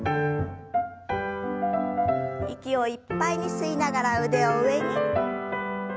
息をいっぱいに吸いながら腕を上に。